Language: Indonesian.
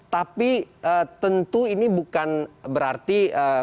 tapi tentu ini bukan berarti